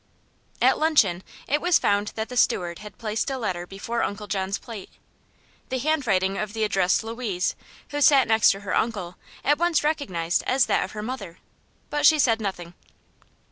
At luncheon it was found that the steward had placed a letter before Uncle John's plate. The handwriting of the address Louise, who sat next her uncle, at once recognized as that of her mother; but she said nothing.